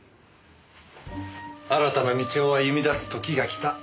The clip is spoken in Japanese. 新たな道を歩み出す時が来た。